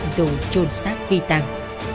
rồi trôn sát vi tàng